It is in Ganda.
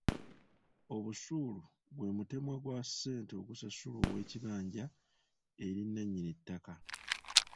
Obusuulu gwe mutemwa gwa ssente ogusasulwa ow'ekibanja eri nannyini ttaka.